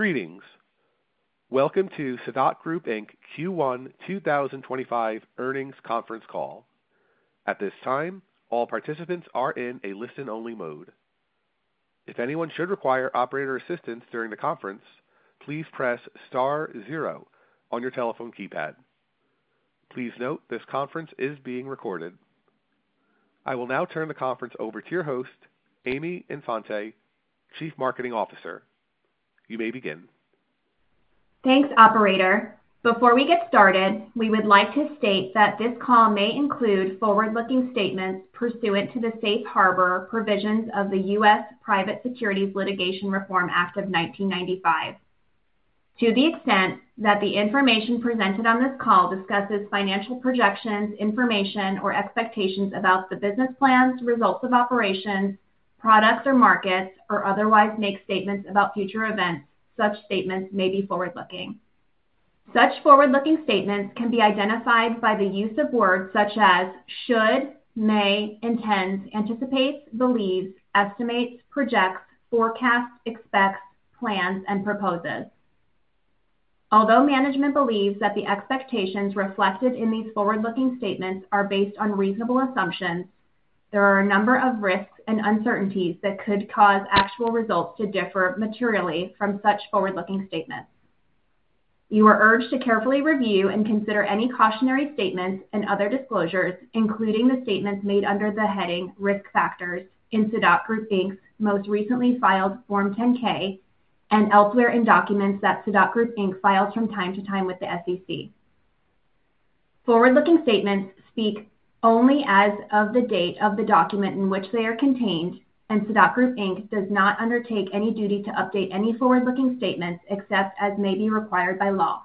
Greetings. Welcome to Sadot Group Q1 2025 Earnings Conference Call. At this time, all participants are in a listen-only mode. If anyone should require operator assistance during the conference, please press star zero on your telephone keypad. Please note this conference is being recorded. I will now turn the conference over to your host, Aimee Infante, Chief Marketing Officer. You may begin. Thanks, Operator. Before we get started, we would like to state that this call may include forward-looking statements pursuant to the Safe Harbor provisions of the U.S. Private Securities Litigation Reform Act of 1995. To the extent that the information presented on this call discusses financial projections, information, or expectations about the business plans, results of operations, products or markets, or otherwise make statements about future events, such statements may be forward-looking. Such forward-looking statements can be identified by the use of words such as should, may, intends, anticipates, believes, estimates, projects, forecasts, expects, plans, and proposes. Although management believes that the expectations reflected in these forward-looking statements are based on reasonable assumptions, there are a number of risks and uncertainties that could cause actual results to differ materially from such forward-looking statements. You are urged to carefully review and consider any cautionary statements and other disclosures, including the statements made under the heading risk factors in Sadot Group Inc's most recently filed Form 10-K and elsewhere in documents that Sadot Group Inc files from time to time with the SEC. Forward-looking statements speak only as of the date of the document in which they are contained, and Sadot Group does not undertake any duty to update any forward-looking statements except as may be required by law.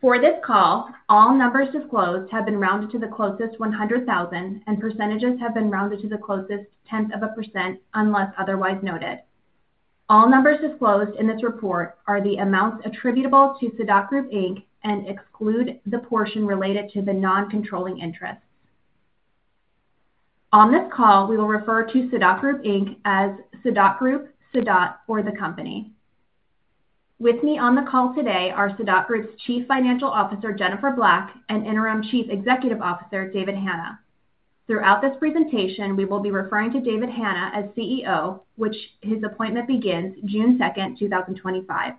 For this call, all numbers disclosed have been rounded to the closest 100,000, and percentages have been rounded to the closest tenth of a percent unless otherwise noted. All numbers disclosed in this report are the amounts attributable to Sadot Group and exclude the portion related to the non-controlling interests. On this call, we will refer to Sadot Group Inc. as Sadot Group, Sadot, or the Company. With me on the call today are Sadot Group's Chief Financial Officer, Jennifer Black, and Interim Chief Executive Officer, David Hanna. Throughout this presentation, we will be referring to David Hanna as CEO, which his appointment begins June 2nd, 2025.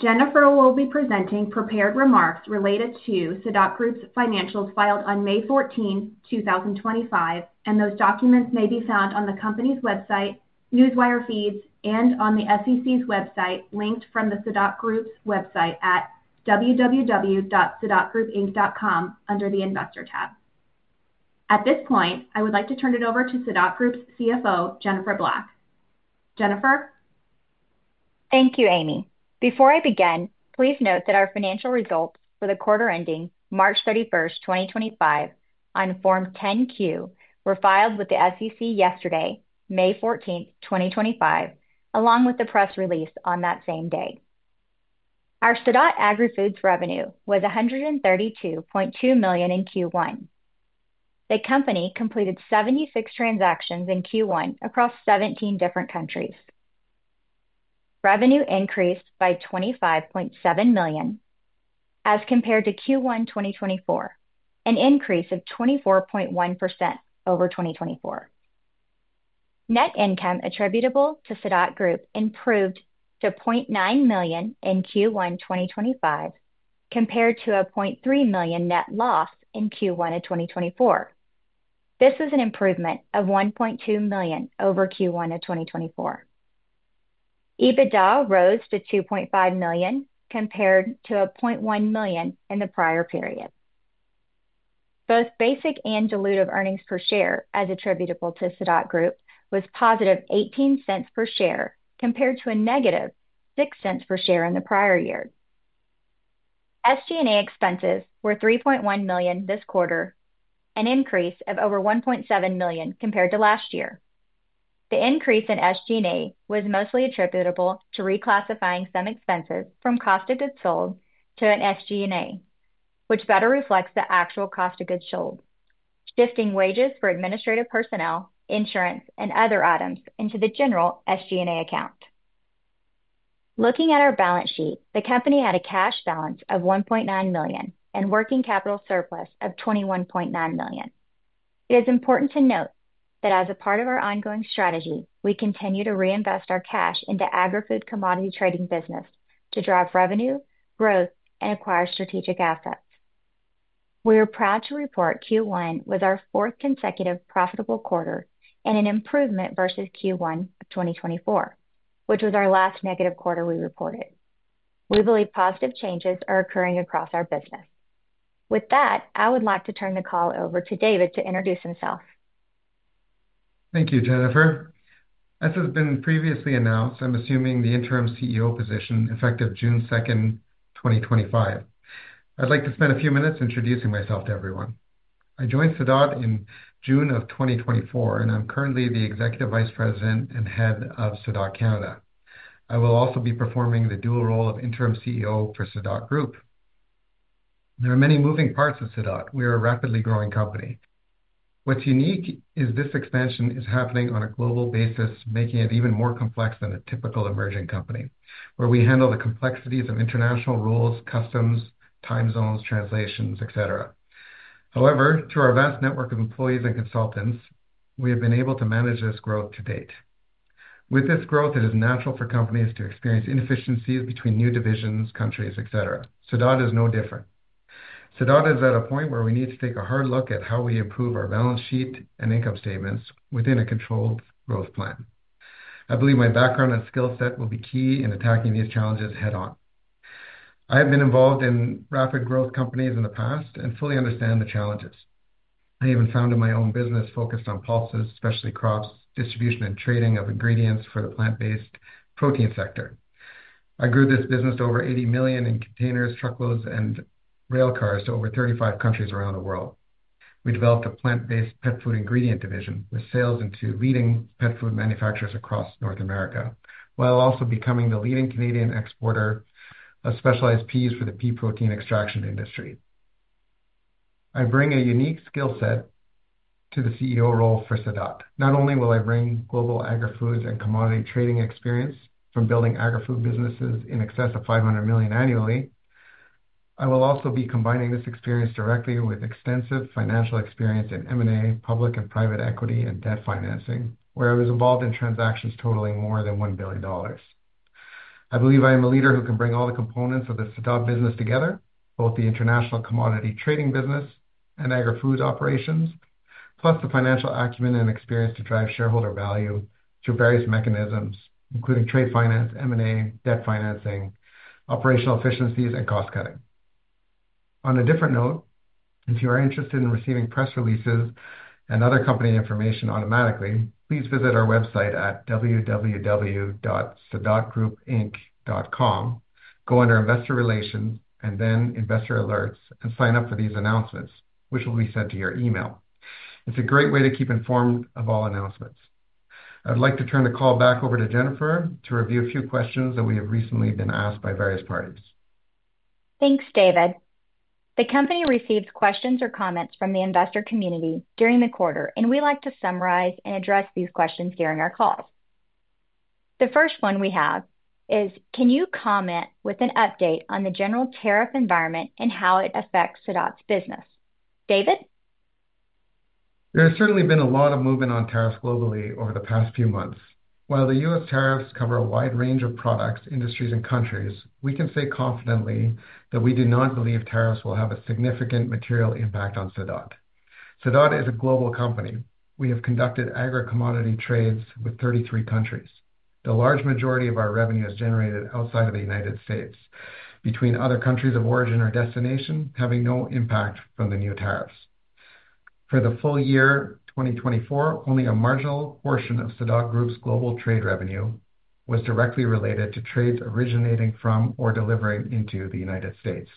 Jennifer will be presenting prepared remarks related to Sadot Group's financials filed on May 14th, 2025, and those documents may be found on the company's website, newswire feeds, and on the SEC's website linked from the Sadot Group's website at www.sadotgroupinc.com under the investor tab. At this point, I would like to turn it over to Sadot Group's CFO, Jennifer Black. Jennifer. Thank you, Aimee. Before I begin, please note that our financial results for the quarter ending March 31st, 2025, on Form 10-Q were filed with the SEC yesterday, May 14th, 2025, along with the press release on that same day. Our Sadot Agri-Foods revenue was $132.2 million in Q1. The company completed 76 transactions in Q1 across 17 different countries. Revenue increased by $25.7 million as compared to Q1 2024, an increase of 24.1% over 2024. Net income attributable to Sadot Group improved to $0.9 million in Q1 2025 compared to a $0.3 million net loss in Q1 of 2024. This is an improvement of $1.2 million over Q1 of 2024. EBITDA rose to $2.5 million compared to a $0.1 million in the prior period. Both basic and dilutive earnings per share as attributable to Sadot Group was positive $0.18 per share compared to a negative $0.06 per share in the prior year. SG&A expenses were $3.1 million this quarter, an increase of over $1.7 million compared to last year. The increase in SG&A was mostly attributable to reclassifying some expenses from cost of goods sold to SG&A, which better reflects the actual cost of goods sold, shifting wages for administrative personnel, insurance, and other items into the general SG&A account. Looking at our balance sheet, the company had a cash balance of $1.9 million and working capital surplus of $21.9 million. It is important to note that as a part of our ongoing strategy, we continue to reinvest our cash into agri-food commodity trading business to drive revenue, growth, and acquire strategic assets. We are proud to report Q1 was our fourth consecutive profitable quarter and an improvement versus Q1 of 2024, which was our last negative quarter we reported. We believe positive changes are occurring across our business. With that, I would like to turn the call over to David to introduce himself. Thank you, Jennifer. As has been previously announced, I'm assuming the interim CEO position effective June 2nd, 2025. I'd like to spend a few minutes introducing myself to everyone. I joined Sadot in June of 2024, and I'm currently the Executive Vice President and Head of Sadot Canada. I will also be performing the dual role of interim CEO for Sadot Group. There are many moving parts of Sadot. We are a rapidly growing company. What's unique is this expansion is happening on a global basis, making it even more complex than a typical emerging company, where we handle the complexities of international rules, customs, time zones, translations, etc. However, through our vast network of employees and consultants, we have been able to manage this growth to date. With this growth, it is natural for companies to experience inefficiencies between new divisions, countries, etc. Sadot is no different. Sadot is at a point where we need to take a hard look at how we improve our balance sheet and income statements within a controlled growth plan. I believe my background and skill set will be key in attacking these challenges head-on. I have been involved in rapid growth companies in the past and fully understand the challenges. I even founded my own business focused on pulses, specialty crops, distribution and trading of ingredients for the plant-based protein sector. I grew this business to over $80 million in containers, truckloads, and rail cars to over 35 countries around the world. We developed a plant-based pet food ingredient division with sales into leading pet food manufacturers across North America, while also becoming the leading Canadian exporter of specialized peas for the pea protein extraction industry. I bring a unique skill set to the CEO role for Sadot. Not only will I bring global agri-foods and commodity trading experience from building agri-food businesses in excess of $500 million annually, I will also be combining this experience directly with extensive financial experience in M&A, public and private equity, and debt financing, where I was involved in transactions totaling more than $1 billion. I believe I am a leader who can bring all the components of the Sadot business together, both the international commodity trading business and agri-foods operations, plus the financial acumen and experience to drive shareholder value through various mechanisms, including trade finance, M&A, debt financing, operational efficiencies, and cost cutting. On a different note, if you are interested in receiving press releases and other company information automatically, please visit our website at www.sadotgroupinc.com. Go under Investor Relations and then Investor Alerts and sign up for these announcements, which will be sent to your email. It's a great way to keep informed of all announcements. I would like to turn the call back over to Jennifer to review a few questions that we have recently been asked by various parties. Thanks, David. The company receives questions or comments from the investor community during the quarter, and we like to summarize and address these questions during our calls. The first one we have is, can you comment with an update on the general tariff environment and how it affects Sadot's business? David? There has certainly been a lot of movement on tariffs globally over the past few months. While the U.S. tariffs cover a wide range of products, industries, and countries, we can say confidently that we do not believe tariffs will have a significant material impact on Sadot. Sadot is a global company. We have conducted agri-commodity trades with 33 countries. The large majority of our revenue is generated outside of the United States, between other countries of origin or destination, having no impact from the new tariffs. For the full year 2024, only a marginal portion of Sadot Group's global trade revenue was directly related to trades originating from or delivering into the United States.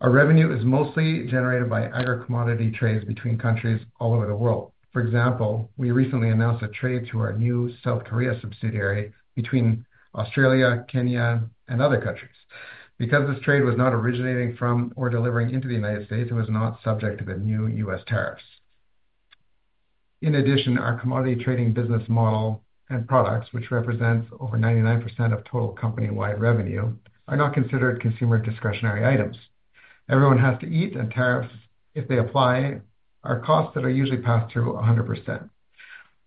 Our revenue is mostly generated by agri-commodity trades between countries all over the world. For example, we recently announced a trade to our new South Korea subsidiary between Australia, Kenya, and other countries. Because this trade was not originating from or delivering into the United States, it was not subject to the new U.S. tariffs. In addition, our commodity trading business model and products, which represent over 99% of total company-wide revenue, are not considered consumer discretionary items. Everyone has to eat, and tariffs, if they apply, are costs that are usually passed through 100%.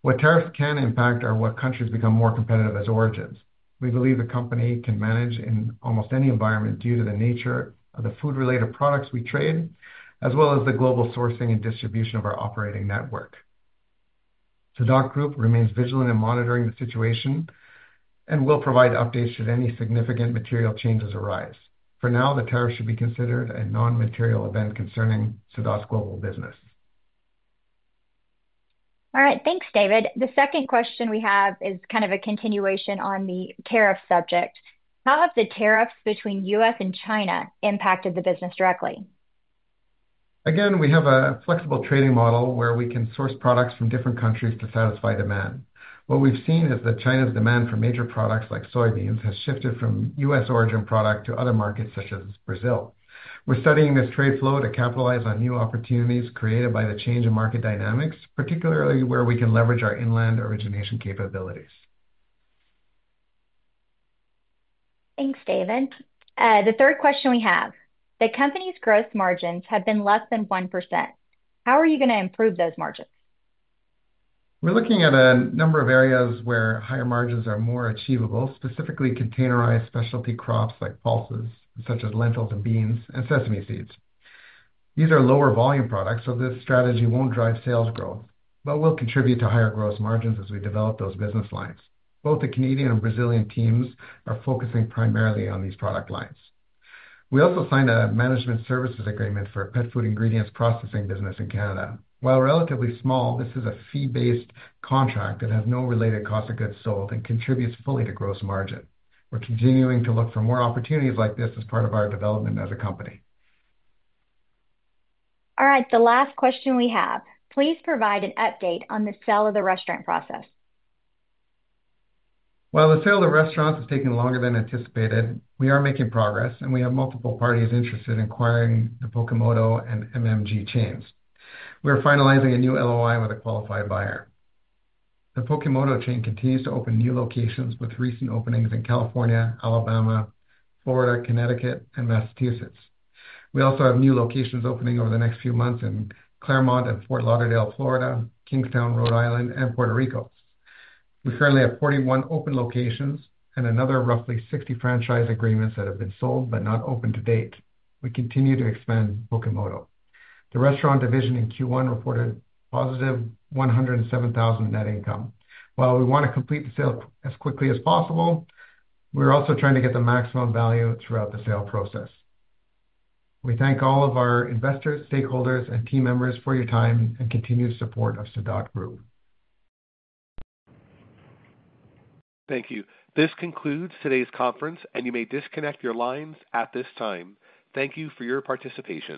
What tariffs can impact are what countries become more competitive as origins. We believe the company can manage in almost any environment due to the nature of the food-related products we trade, as well as the global sourcing and distribution of our operating network. Sadot Group remains vigilant in monitoring the situation and will provide updates should any significant material changes arise. For now, the tariffs should be considered a non-material event concerning Sadot's global business. All right. Thanks, David. The second question we have is kind of a continuation on the tariff subject. How have the tariffs between the U.S. and China impacted the business directly? Again, we have a flexible trading model where we can source products from different countries to satisfy demand. What we've seen is that China's demand for major products like soybeans has shifted from U.S. origin product to other markets such as Brazil. We're studying this trade flow to capitalize on new opportunities created by the change in market dynamics, particularly where we can leverage our inland origination capabilities. Thanks, David. The third question we have, the company's gross margins have been less than 1%. How are you going to improve those margins? We're looking at a number of areas where higher margins are more achievable, specifically containerized specialty crops like pulses, such as lentils and beans and sesame seeds. These are lower volume products, so this strategy won't drive sales growth, but will contribute to higher gross margins as we develop those business lines. Both the Canadian and Brazilian teams are focusing primarily on these product lines. We also signed a management services agreement for a pet food ingredients processing business in Canada. While relatively small, this is a fee-based contract that has no related cost of goods sold and contributes fully to gross margin. We're continuing to look for more opportunities like this as part of our development as a company. All right. The last question we have, please provide an update on the sale of the restaurant process. While the sale of the restaurants has taken longer than anticipated, we are making progress, and we have multiple parties interested in acquiring the Pokemoto and MMG chains. We are finalizing a new LOI with a qualified buyer. The Pokemoto chain continues to open new locations with recent openings in California, Alabama, Florida, Connecticut, and Massachusetts. We also have new locations opening over the next few months in Claremont and Fort Lauderdale, Florida, Kingstown, Rhode Island, and Puerto Rico. We currently have 41 open locations and another roughly 60 franchise agreements that have been sold but not opened to date. We continue to expand Pokemoto. The restaurant division in Q1 reported positive $107,000 net income. While we want to complete the sale as quickly as possible, we're also trying to get the maximum value throughout the sale process. We thank all of our investors, stakeholders, and team members for your time and continued support of Sadot Group. Thank you. This concludes today's conference, and you may disconnect your lines at this time. Thank you for your participation.